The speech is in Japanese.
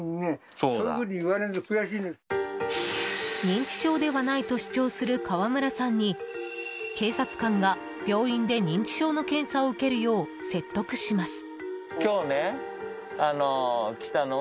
認知症ではないと主張する川村さんに警察官が、病院で認知症の検査を受けるよう説得します。